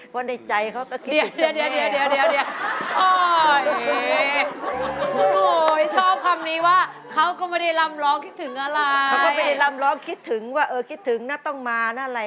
เขาก็ไม่ได้รำร้องคิดถึงว่าเออคิดถึงน่าต้องมาน่าอะไร